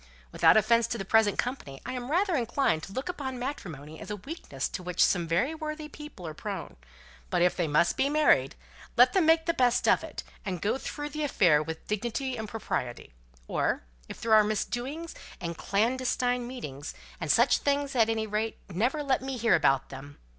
Without offence to the present company, I am rather inclined to look upon matrimony as a weakness to which some very worthy people are prone; but if they must be married, let them make the best of it, and go through the affair with dignity and propriety: or if there are misdoings and clandestine meetings, and such things, at any rate, never let me hear about them!